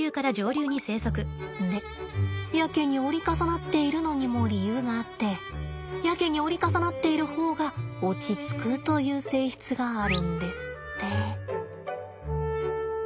でやけに折り重なっているのにも理由があってやけに折り重なっている方が落ち着くという性質があるんですって。